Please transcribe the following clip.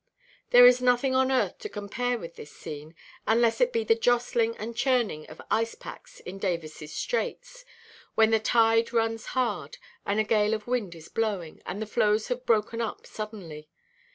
There is nothing on earth to compare with this scene, unless it be the jostling and churning of ice–packs in Davisʼs Straits, when the tide runs hard, and a gale of wind is blowing, and the floes have broken up suddenly.